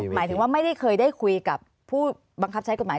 หมายถึงว่าไม่ได้เคยได้คุยกับผู้บังคับใช้กฎหมาย